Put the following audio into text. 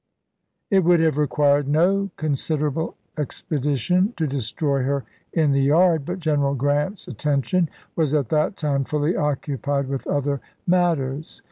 It would have required no considerable expedi tion to destroy her in the yard, but General Grant's attention was at that time fully occupied with other matters.